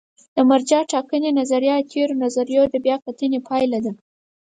د مرجع ټاکنې نظریه د تېرو نظریو د بیا کتنې پایله ده.